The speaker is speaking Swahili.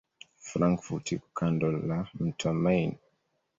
Frankfurt iko kando la mto Main.